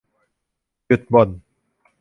หยุดบ่น